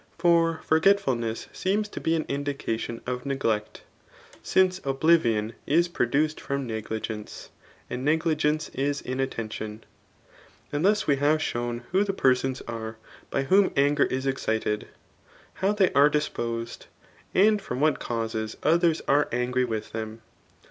For ibrgetfulness seems to be an indiq^itic^ of neglect^, since oblivion is produced from negligence; and negligence is inattention. And tfaqs we have shosm who the persons are by whom anger is eacciled, h^w they are disposed, and from what causes othai's are angry wil^ them.